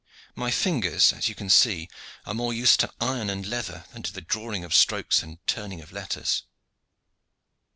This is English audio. My fingers, as you can see, are more used to iron and leather than to the drawing of strokes and turning of letters.